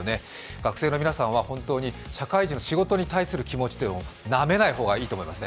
学生の皆さんは本当に社会人の仕事に対する気持ちをなめない方がいいですね。